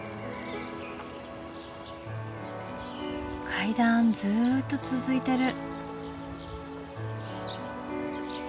階段ずっと続いてる。